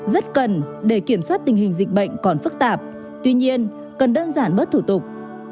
rất cần để kiểm soát tình hình dịch bệnh còn phức tạp tuy nhiên cần đơn giản bớt thủ tục